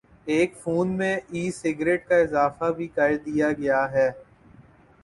ایک فون میں "e cigarette" کا اضافہ بھی کر دیا گیا ہے